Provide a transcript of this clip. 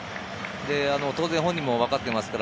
本人も分かってますから。